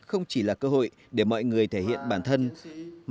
không chỉ là cơ hội để mọi người thể hiện bản thân của người việt nam